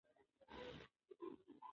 د واده د هوټل بیه باید له مخکې معلومه شي.